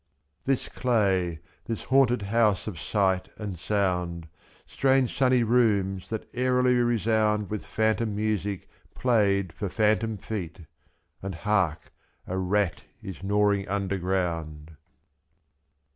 This clay, this haunted house of sight and sound. Strange sunny rooms that airily resound /6~t.With phantom music played for phantom feet — And hark ! a rat is gnawing underground.